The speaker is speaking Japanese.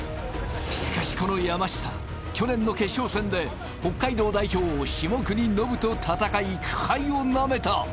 しかしこの山下去年の決勝戦で北海道代表下國伸と戦い苦杯をなめた